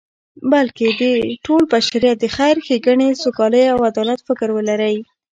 بلکی د ټول بشریت د خیر، ښیګڼی، سوکالی او عدالت فکر ولری